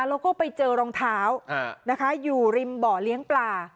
แล้วก็ไปเจอรองเท้านะคะอยู่ริมบ่อเลี้ยงปลา